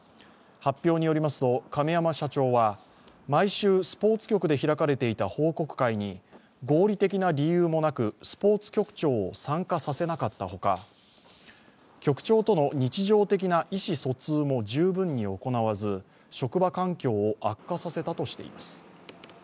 発表によりますと、亀山社長は毎週スポーツ局で開かれていた報告会に合理的な理由もなく、スポーツ局長を参加させなかったほか局長との日常的な意思疎通も十分行わず、職場環境を悪化させたとしています。